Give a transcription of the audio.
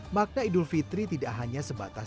makna idul fitri tidak hanya sebatas